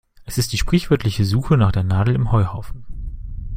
Es ist die sprichwörtliche Suche nach der Nadel im Heuhaufen.